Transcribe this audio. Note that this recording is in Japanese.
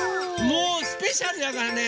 もうスペシャルだからね